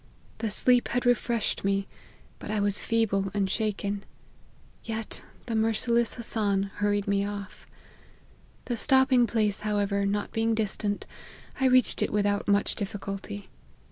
The sleep had refreshed me, but I was feeble and shaken ; yet the merciless Hassan hurried me off. The stopping place, how ever, not being distant, I reached it without much difficulty.